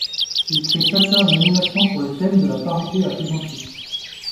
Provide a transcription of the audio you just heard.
Ils créent chacun une animation sur le thème de la parenté à plaisanterie.